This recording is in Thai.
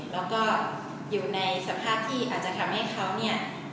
แล้วก็อยู่ในสภาพที่อาจจะทำให้เขาเนี่ย